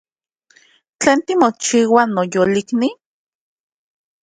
¿Tlen timochiua, noyolikni?